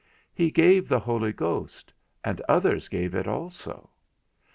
He gave the Holy Ghost, and others gave it also.